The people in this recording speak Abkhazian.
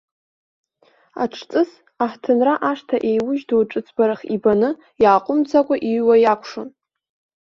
Аҽҵыс, аҳҭынра ашҭа еиужь ду ҿыцбарах ибаны, иааҟәымҵӡакәа иҩуа иакәшон.